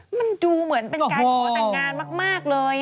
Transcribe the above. มันดูเหมือนเป็นการขอแต่งงานมากเลย